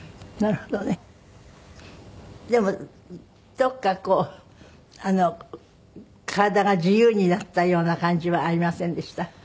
でもどこかこう体が自由になったような感じはありませんでした？